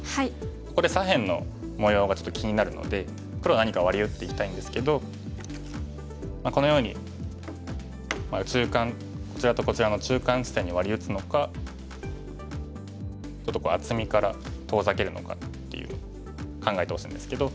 ここで左辺の模様がちょっと気になるので黒は何かワリ打っていきたいんですけどこのように中間こちらとこちらの中間地点にワリ打つのかちょっと厚みから遠ざけるのかっていう考えてほしいんですけど。